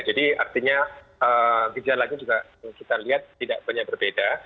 jadi artinya kejadian lagi juga kita lihat tidak banyak berbeda